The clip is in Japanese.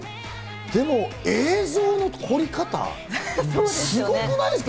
でも映像の撮り方、すごくないですか？